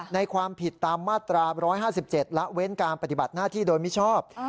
ความผิดตามมาตรา๑๕๗ละเว้นการปฏิบัติหน้าที่โดยมิชอบ